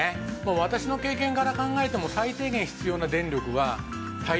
私の経験から考えても最低限必要な電力は対応できると思います。